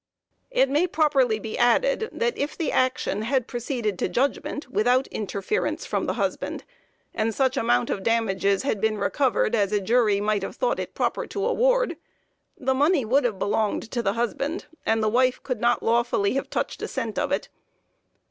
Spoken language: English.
It may properly be added, that if the action had proceeded to judgment without interference from the husband, and such amount of damages had been recovered as a jury might have thought it proper to award, the money would have belonged to the husband, and the wife could not lawfully have touched a cent of it.